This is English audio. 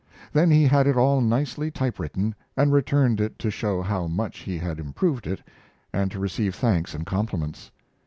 Then he had it all nicely typewritten, and returned it to show how much he had improved it, and to receive thanks and compliments.